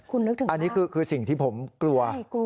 คุณนึกถึงอันนี้คือสิ่งที่ผมกลัว